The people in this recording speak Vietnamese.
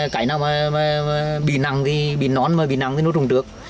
cái nào bị nắng thì bị nón mà bị nắng thì nó rùng trước